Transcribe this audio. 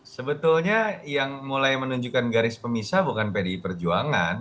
sebetulnya yang mulai menunjukkan garis pemisah bukan pdi perjuangan